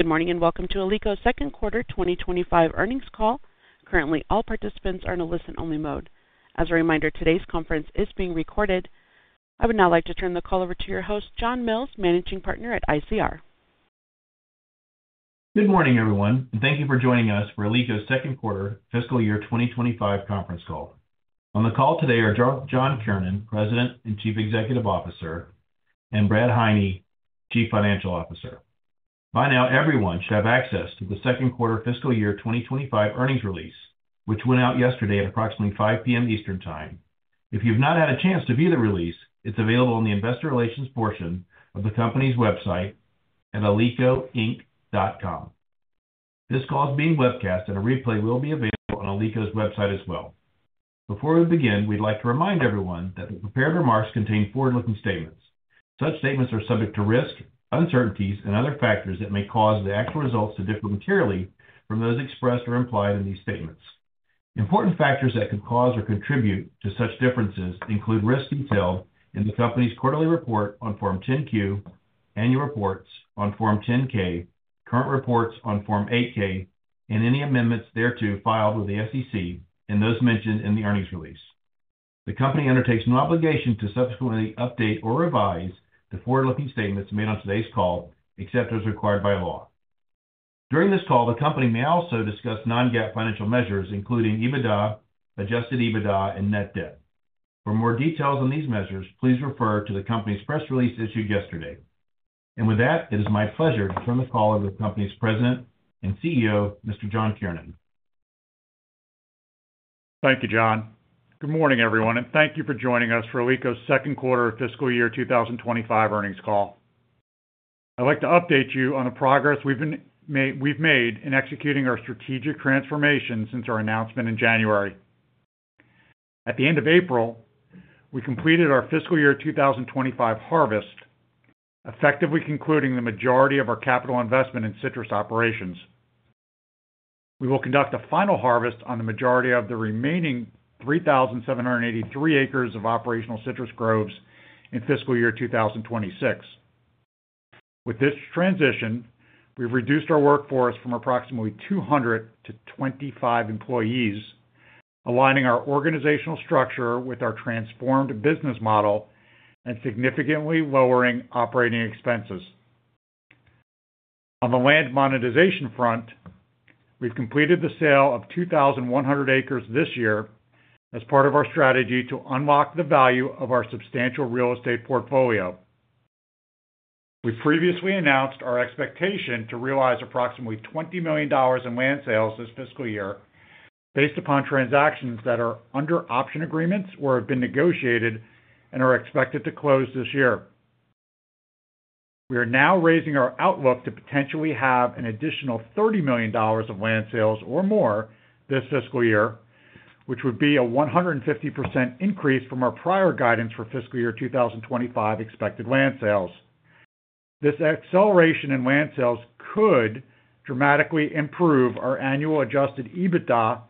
Good morning and Welcome to Alico's Second Quarter 2025 Earnings call. Currently, all participants are in a listen-only mode. As a reminder, today's conference is being recorded. I would now like to turn the call over to your host, John Mills, Managing Partner at ICR. Good morning, everyone, and thank you for joining us for Alico's Second Quarter fiscal year 2025 conference call. On the call today are John Kiernan, President and Chief Executive Officer, and Bradley Heine, Chief Financial Officer. By now, everyone should have access to the second quarter fiscal year 2025 earnings release, which went out yesterday at approximately 5:00 P.M. Eastern Time. If you've not had a chance to view the release, it's available in the investor relations portion of the company's website at alicoinc.com. This call is being webcast, and a replay will be available on Alico's website as well. Before we begin, we'd like to remind everyone that the prepared remarks contain forward-looking statements. Such statements are subject to risk, uncertainties, and other factors that may cause the actual results to differ materially from those expressed or implied in these statements. Important factors that could cause or contribute to such differences include risks detailed in the company's quarterly report on Form 10-Q, annual reports on Form 10-K, current reports on Form 8-K, and any amendments thereto filed with the SEC and those mentioned in the earnings release. The company undertakes no obligation to subsequently update or revise the forward-looking statements made on today's call, except as required by law. During this call, the company may also discuss non-GAAP financial measures, including EBITDA, Adjusted EBITDA, and net debt. For more details on these measures, please refer to the company's press release issued yesterday. It is my pleasure to turn the call over to the company's President and CEO, Mr. John Kiernan. Thank you, John. Good morning, everyone, and thank you for joining us for Alico's Second Quarter Fiscal Year 2025 Earnings Call. I'd like to update you on the progress we've made in executing our strategic transformation since our announcement in January. At the end of April, we completed our fiscal year 2025 harvest, effectively concluding the majority of our capital investment in citrus operations. We will conduct a final harvest on the majority of the remaining 3,783 acres of operational citrus groves in fiscal year 2026. With this transition, we've reduced our workforce from approximately 200 to 25 employees, aligning our organizational structure with our transformed business model and significantly lowering operating expenses. On the land monetization front, we've completed the sale of 2,100 acres this year as part of our strategy to unlock the value of our substantial real estate portfolio. We previously announced our expectation to realize approximately $20 million in land sales this fiscal year, based upon transactions that are under option agreements or have been negotiated and are expected to close this year. We are now raising our outlook to potentially have an additional $30 million of land sales or more this fiscal year, which would be a 150% increase from our prior guidance for fiscal year 2025 expected land sales. This acceleration in land sales could dramatically improve our annual Adjusted EBITDA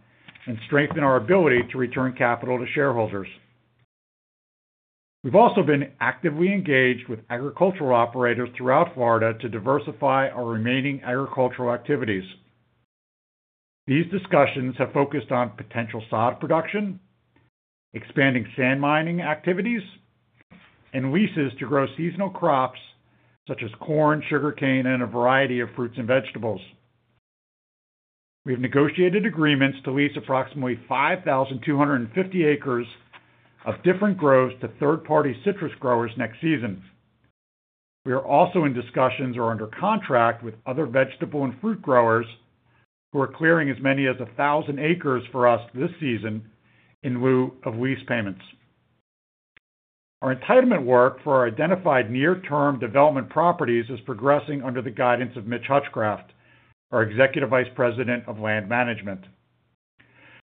and strengthen our ability to return capital to shareholders. We've also been actively engaged with agricultural operators throughout Florida to diversify our remaining agricultural activities. These discussions have focused on potential sod production, expanding sand mining activities, and leases to grow seasonal crops such as corn, sugarcane, and a variety of fruits and vegetables. We've negotiated agreements to lease approximately 5,250 acres of different groves to third-party citrus growers next season. We are also in discussions or under contract with other vegetable and fruit growers who are clearing as many as 1,000 acres for us this season in lieu of lease payments. Our entitlement work for our identified near-term development properties is progressing under the guidance of Mitch Hutchcraft, our Executive Vice President of Land Management.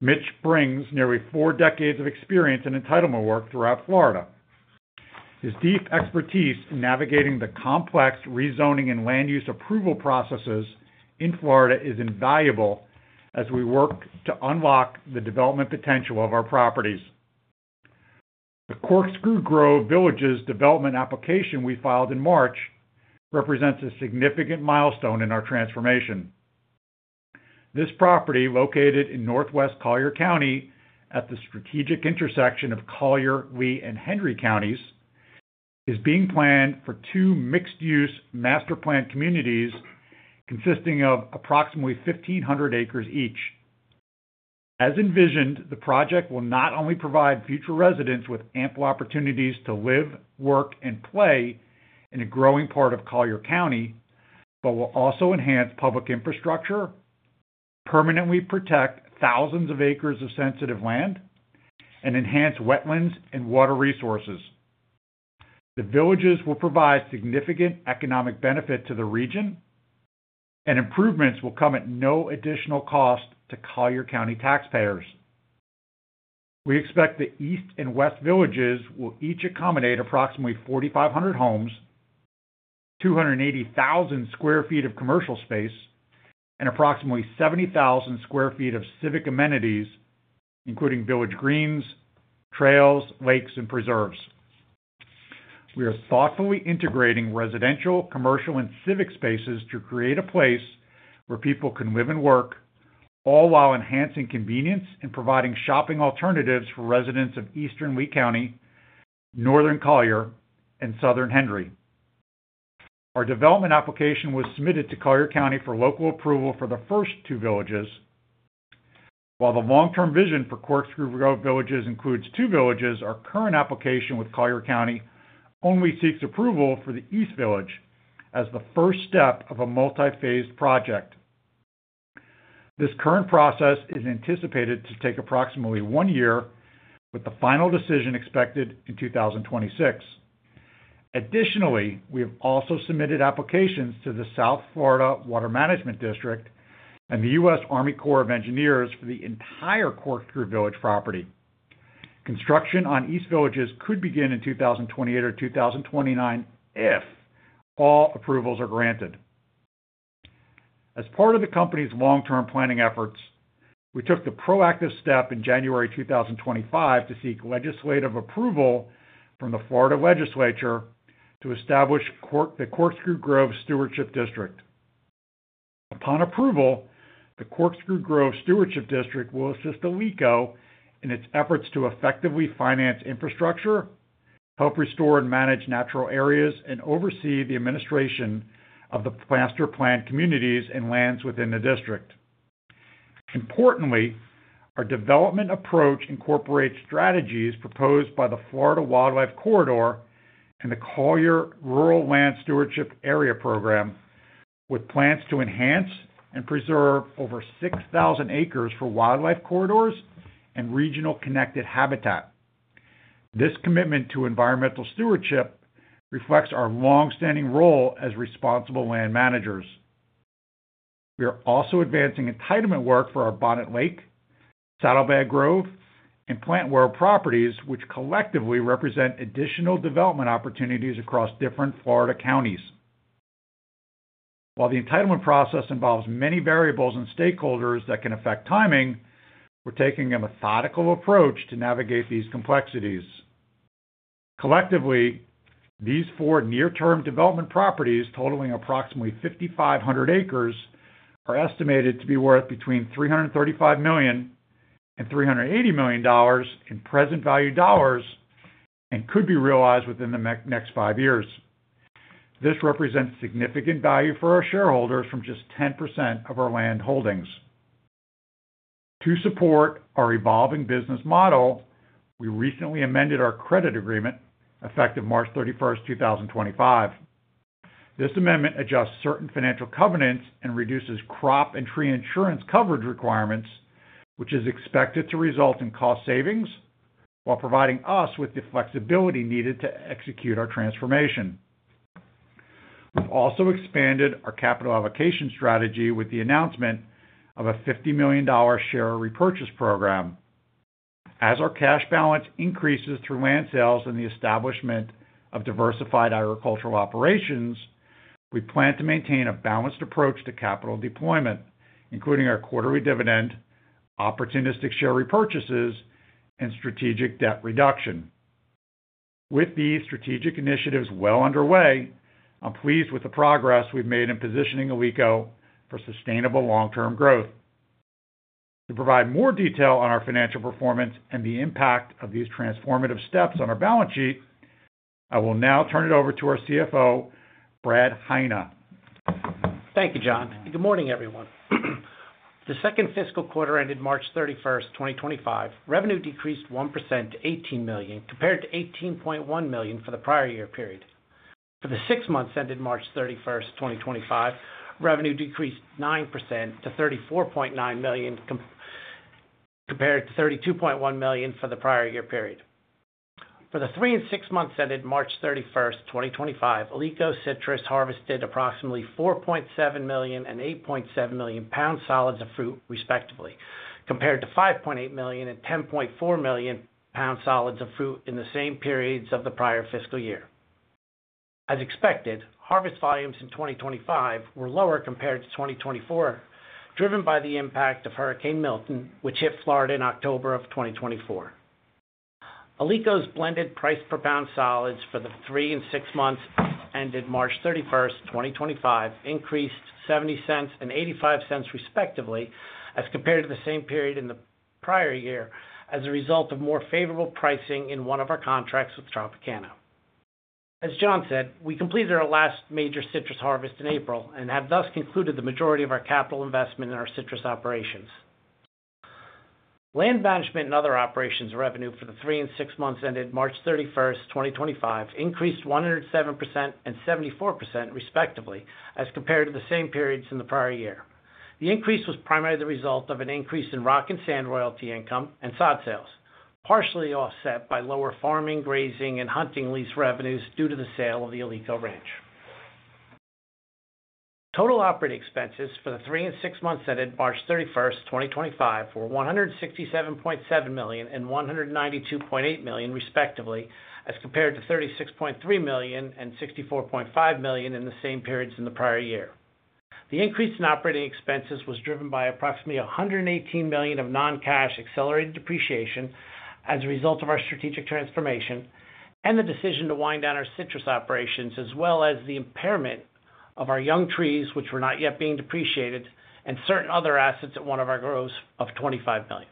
Mitch brings nearly four decades of experience in entitlement work throughout Florida. His deep expertise in navigating the complex rezoning and land use approval processes in Florida is invaluable as we work to unlock the development potential of our properties. The Corkscrew Grove Villages development application we filed in March represents a significant milestone in our transformation. This property, located in northwest Collier County at the strategic intersection of Collier, Lee, and Hendry counties, is being planned for two mixed-use master plan communities consisting of approximately 1,500 acres each. As envisioned, the project will not only provide future residents with ample opportunities to live, work, and play in a growing part of Collier County, but will also enhance public infrastructure, permanently protect thousands of acres of sensitive land, and enhance wetlands and water resources. The villages will provide significant economic benefit to the region, and improvements will come at no additional cost to Collier County taxpayers. We expect the east and west villages will each accommodate approximately 4,500 homes, 280,000 sq ft of commercial space, and approximately 70,000 sq ft of civic amenities, including village greens, trails, lakes, and preserves. We are thoughtfully integrating residential, commercial, and civic spaces to create a place where people can live and work, all while enhancing convenience and providing shopping alternatives for residents of eastern Lee County, northern Collier, and southern Hendry. Our development application was submitted to Collier County for local approval for the first two villages. While the long-term vision for Corkscrew Grove Villages includes two villages, our current application with Collier County only seeks approval for the east village as the first step of a multi-phased project. This current process is anticipated to take approximately one year, with the final decision expected in 2026. Additionally, we have also submitted applications to the South Florida Water Management District and the U.S. Army Corps of Engineers for the entire Corkscrew Grove Villages property. Construction on east villages could begin in 2028 or 2029 if all approvals are granted. As part of the company's long-term planning efforts, we took the proactive step in January 2025 to seek legislative approval from the Florida legislature to establish the Corkscrew Grove Stewardship District. Upon approval, the Corkscrew Grove Stewardship District will assist Alico in its efforts to effectively finance infrastructure, help restore and manage natural areas, and oversee the administration of the master plan communities and lands within the district. Importantly, our development approach incorporates strategies proposed by the Florida Wildlife Corridor and the Collier Rural Land Stewardship Area Program, with plans to enhance and preserve over 6,000 acres for wildlife corridors and regional connected habitat. This commitment to environmental stewardship reflects our long-standing role as responsible land managers. We are also advancing entitlement work for our Bonnet Lake, Saddle Bag Grove, and Plant Where properties, which collectively represent additional development opportunities across different Florida counties. While the entitlement process involves many variables and stakeholders that can affect timing, we're taking a methodical approach to navigate these complexities. Collectively, these four near-term development properties, totaling approximately 5,500 acres, are estimated to be worth between $335 million and $380 million in present value dollars and could be realized within the next five years. This represents significant value for our shareholders from just 10% of our land holdings. To support our evolving business model, we recently amended our credit agreement, effective March 31, 2025. This amendment adjusts certain financial covenants and reduces crop and tree insurance coverage requirements, which is expected to result in cost savings while providing us with the flexibility needed to execute our transformation. We've also expanded our capital allocation strategy with the announcement of a $50 million share repurchase program. As our cash balance increases through land sales and the establishment of diversified agricultural operations, we plan to maintain a balanced approach to capital deployment, including our quarterly dividend, opportunistic share repurchases, and strategic debt reduction. With these strategic initiatives well underway, I'm pleased with the progress we've made in positioning Alico for sustainable long-term growth. To provide more detail on our financial performance and the impact of these transformative steps on our Balance sheet, I will now turn it over to our CFO, Bradley Heine. Thank you, John. Good morning, everyone. The second fiscal quarter ended March 31, 2025. Revenue decreased 1% to $18 million, compared to $18.1 million for the prior year period. For the six months ended March 31, 2025, revenue decreased 9% to $34.9 million, compared to $32.1 million for the prior year period. For the three and six months ended March 31, 2025, Alico Citrus harvested approximately 4.7 million and 8.7 million pound solids of fruit, respectively, compared to 5.8 million and 10.4 million pound solids of fruit in the same periods of the prior fiscal year. As expected, harvest volumes in 2025 were lower compared to 2024, driven by the impact of Hurricane Milton, which hit Florida in October of 2024. Alico's blended price per pound solids for the three and six months ended March 31, 2025, increased $0.70 and $0.85, respectively, as compared to the same period in the prior year, as a result of more favorable pricing in one of our contracts with Tropicana. As John said, we completed our last major citrus harvest in April and have thus concluded the majority of our capital investment in our citrus operations. Land management and other operations revenue for the three and six months ended March 31, 2025, increased 107% and 74%, respectively, as compared to the same periods in the prior year. The increase was primarily the result of an increase in rock and sand royalty income and sod sales, partially offset by lower farming, grazing, and hunting lease revenues due to the sale of the Alico Ranch. Total operating expenses for the three and six months ended March 31, 2025, were $167.7 million and $192.8 million, respectively, as compared to $36.3 million and $64.5 million in the same periods in the prior year. The increase in operating expenses was driven by approximately $118 million of non-cash accelerated depreciation as a result of our strategic transformation and the decision to wind down our citrus operations, as well as the impairment of our young trees, which were not yet being depreciated, and certain other assets at one of our groves of $25 million.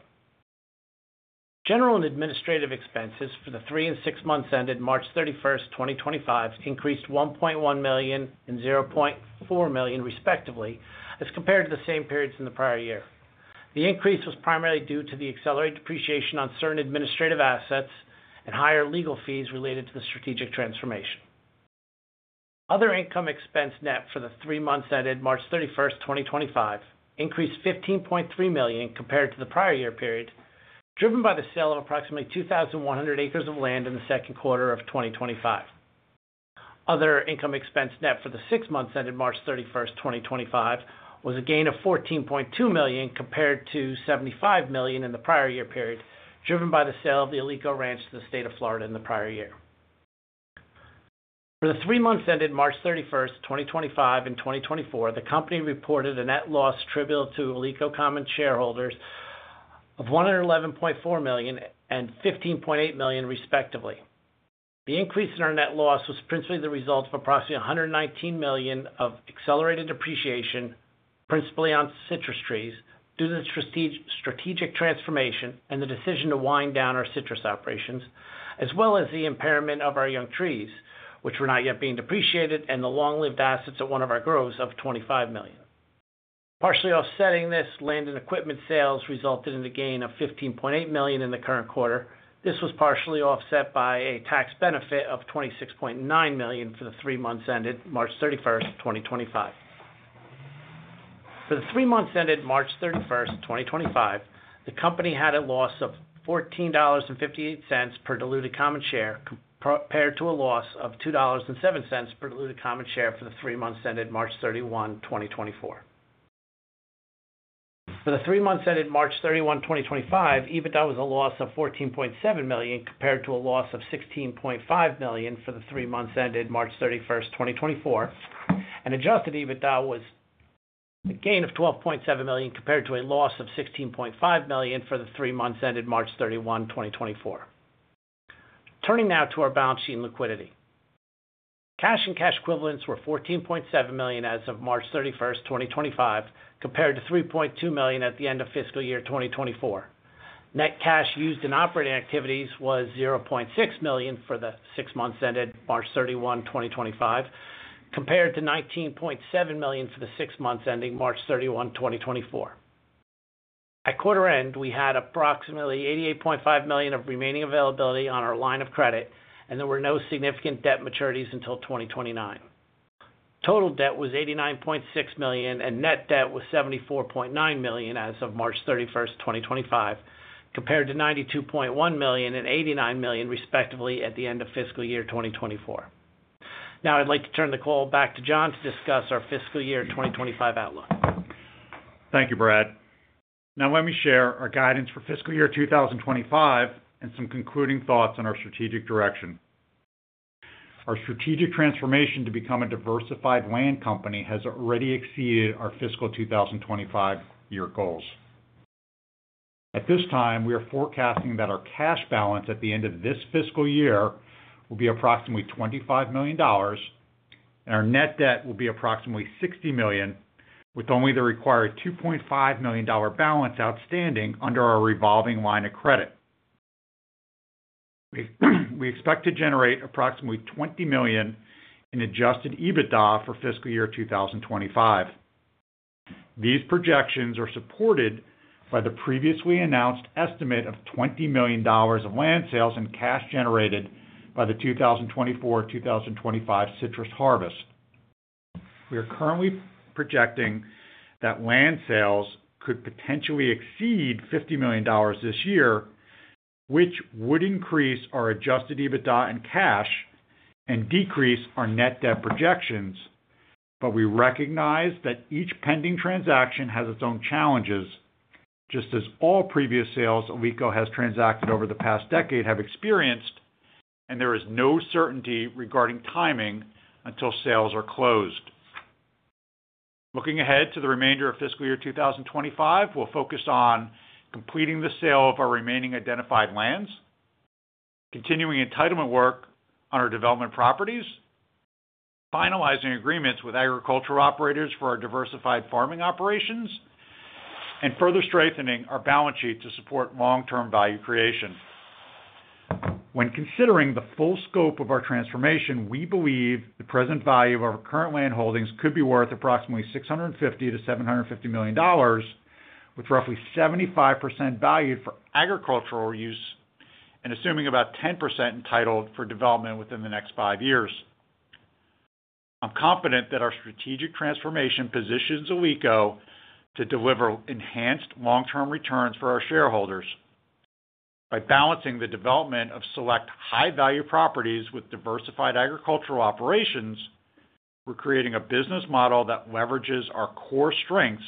General and administrative expenses for the three and six months ended March 31, 2025, increased $1.1 million and $0.4 million, respectively, as compared to the same periods in the prior year. The increase was primarily due to the accelerated depreciation on certain administrative assets and higher legal fees related to the strategic transformation. Other income expense net for the three months ended March 31, 2025, increased $15.3 million compared to the prior year period, driven by the sale of approximately 2,100 acres of land in the second quarter of 2025. Other income expense net for the six months ended March 31, 2025, was a gain of $14.2 million compared to $75 million in the prior year period, driven by the sale of the Alico Ranch to the state of Florida in the prior year. For the three months ended March 31, 2025, and 2024, the company reported a net loss attributable to Alico common shareholders of $111.4 million and $15.8 million, respectively. The increase in our net loss was principally the result of approximately $119 million of accelerated depreciation, principally on citrus trees, due to the strategic transformation and the decision to wind down our citrus operations, as well as the impairment of our young trees, which were not yet being depreciated, and the long-lived assets at one of our groves of $25 million. Partially offsetting this, land and equipment sales resulted in a gain of $15.8 million in the current quarter. This was partially offset by a tax benefit of $26.9 million for the three months ended March 31, 2025. For the three months ended March 31, 2025, the company had a loss of $14.58 per diluted common share compared to a loss of $2.07 per diluted common share for the three months ended March 31, 2024. For the three months ended March 31, 2025, EBITDA was a loss of $14.7 million compared to a loss of $16.5 million for the three months ended March 31, 2024. An Adjusted EBITDA was a gain of $12.7 million compared to a loss of $16.5 million for the three months ended March 31, 2024. Turning now to our balance sheet and liquidity. Cash and cash equivalents were $14.7 million as of March 31, 2025, compared to $3.2 million at the end of fiscal year 2024. Net cash used in operating activities was $0.6 million for the six months ended March 31, 2025, compared to $19.7 million for the six months ending March 31, 2024. At quarter end, we had approximately $88.5 million of remaining availability on our line of credit, and there were no significant debt maturities until 2029. Total debt was $89.6 million, and net debt was $74.9 million as of March 31, 2025, compared to $92.1 million and $89 million, respectively, at the end of fiscal year 2024. Now, I'd like to turn the call back to John to discuss our fiscal year 2025 outlook. Thank you, Brad. Now, let me share our guidance for fiscal year 2025 and some concluding thoughts on our strategic direction. Our strategic transformation to become a diversified land company has already exceeded our fiscal 2025 year goals. At this time, we are forecasting that our cash balance at the end of this fiscal year will be approximately $25 million, and our net debt will be approximately $60 million, with only the required $2.5 million balance outstanding under our revolving line of credit. We expect to generate approximately $20 million in Adjusted EBITDA for fiscal year 2025. These projections are supported by the previously announced estimate of $20 million of land sales and cash generated by the 2024-2025 citrus harvest. We are currently projecting that land sales could potentially exceed $50 million this year, which would increase our Adjusted EBITDA and cash and decrease our net debt projections. We recognize that each pending transaction has its own challenges, just as all previous sales Alico has transacted over the past decade have experienced, and there is no certainty regarding timing until sales are closed. Looking ahead to the remainder of fiscal year 2025, we'll focus on completing the sale of our remaining identified lands, continuing entitlement work on our development properties, finalizing agreements with agricultural operators for our diversified farming operations, and further strengthening our balance sheet to support long-term value creation. When considering the full scope of our transformation, we believe the present value of our current land holdings could be worth approximately $650 million-$750 million, with roughly 75% valued for agricultural use and assuming about 10% entitled for development within the next five years. I'm confident that our strategic transformation positions Alico to deliver enhanced long-term returns for our shareholders. By balancing the development of select high-value properties with diversified agricultural operations, we're creating a business model that leverages our core strengths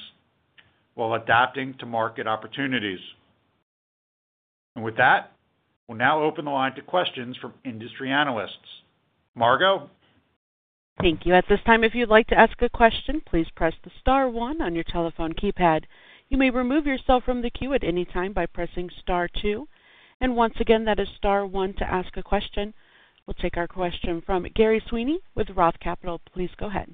while adapting to market opportunities. With that, we'll now open the line to questions from industry analysts. Margo? Thank you. At this time, if you'd like to ask a question, please press the star one on your telephone keypad. You may remove yourself from the queue at any time by pressing star two. Once again, that is star one to ask a question. We'll take our question from Gary Sweeney with ROTH Capital. Please go ahead.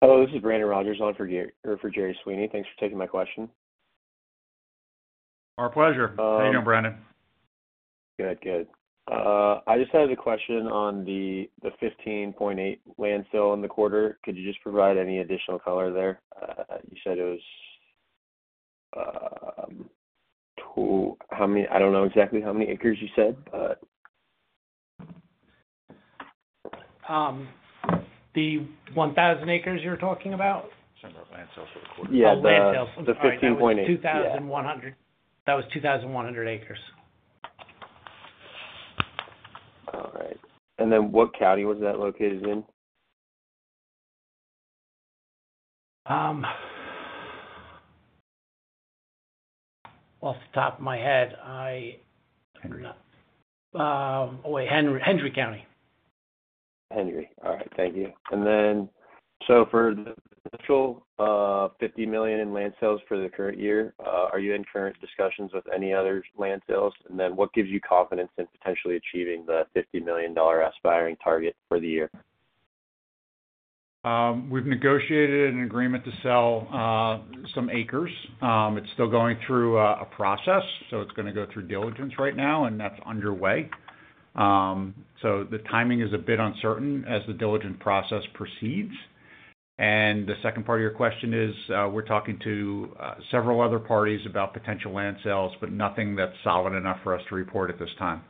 Hello, this is Brandon Rogers on for Gerry Sweeney. Thanks for taking my question. Our pleasure. How are you doing, Brandon? Good, good. I just had a question on the $15.8 million land sale in the quarter. Could you just provide any additional color there? You said it was—I do not know exactly how many acres you said, but. The 1,000 acres you're talking about? Land sales for the quarter. Yeah, the land sales for the quarter. The $15.8 million. That was 2,100 acres. All right. What county was that located in? Off the top of my head, I—oh, wait, Hendry County. All right. Thank you. For the initial $50 million in land sales for the current year, are you in current discussions with any other land sales? What gives you confidence in potentially achieving the $50 million aspiring target for the year? We've negotiated an agreement to sell some acres. It's still going through a process, so it's going to go through diligence right now, and that's underway. The timing is a bit uncertain as the diligence process proceeds. The second part of your question is we're talking to several other parties about potential land sales, but nothing that's solid enough for us to report at this time.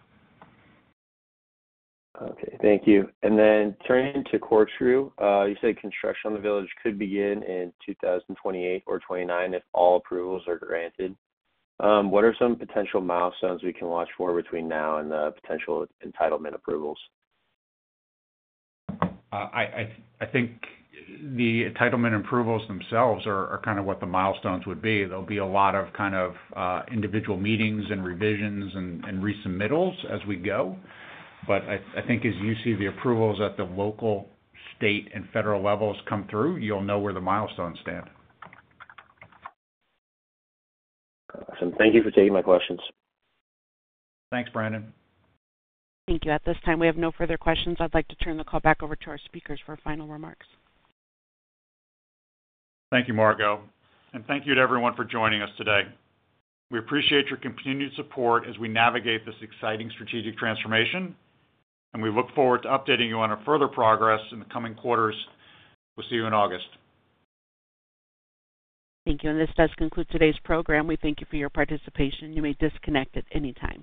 Okay. Thank you. Turning to Corkscrew, you said construction on the village could begin in 2028 or 2029 if all approvals are granted. What are some potential milestones we can watch for between now and the potential entitlement approvals? I think the entitlement approvals themselves are kind of what the milestones would be. There'll be a lot of kind of individual meetings and revisions and resubmittals as we go. I think as you see the approvals at the local, state, and federal levels come through, you'll know where the milestones stand. Awesome. Thank you for taking my questions. Thanks, Brandon. Thank you. At this time, we have no further questions. I'd like to turn the call back over to our speakers for final remarks. Thank you, Margo. Thank you to everyone for joining us today. We appreciate your continued support as we navigate this exciting strategic transformation, and we look forward to updating you on our further progress in the coming quarters. We'll see you in August. Thank you. This does conclude today's program. We thank you for your participation. You may disconnect at any time.